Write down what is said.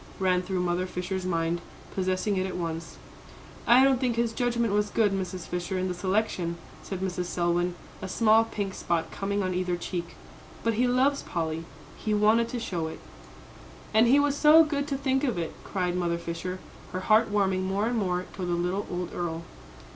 ran through Mother Fisher's mind, possessing it at once. "I don't think his judgment was good, Mrs. Fisher, in the selection," said Mrs. Selwyn, a small pink spot coming on either cheek; "but he loves Polly, and wanted to show it." "And he was so good to think of it," cried Mother Fisher, her heart warming more and more toward the little old earl.